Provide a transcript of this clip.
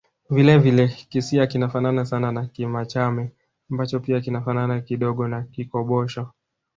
Vile vile Kisiha kinafanana sana na Kimachame ambacho pia kinafanana kidogo na Kikibosho